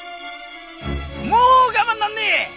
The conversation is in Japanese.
もう我慢なんねえ！